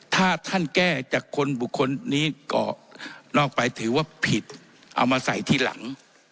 ถ้าท่านแก้จากคนบุคคลนี้เกาะนอกไปถือว่าผิดเอามาใส่ที่หลัง